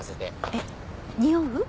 えっにおう？